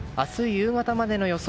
夕方までの予想